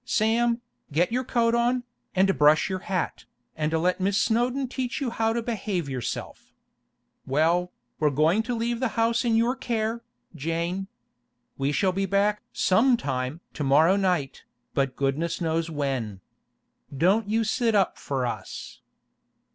Sam, get your coat on, and brush your hat, and let Miss Snowdon teach you how to behave yourself. Well, we're going to leave the house in your care, Jane. We shall be back some time to morrow night, but goodness knows when. Don't you sit up for us.